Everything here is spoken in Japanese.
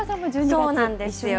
そうなんですよ。